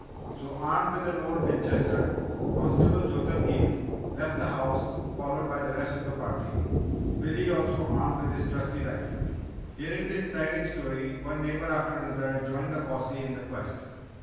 So, armed with an old Winchester, Constable Jotham Heald left the house followed by the rest of the party Billy also armed with his trusty rifle. Hearing the exciting story, one neighbour after another joined the posse in the quest.